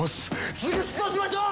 すぐ出動しましょう！